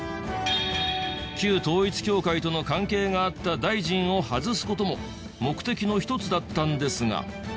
旧統一教会との関係があった大臣を外す事も目的の一つだったんですが。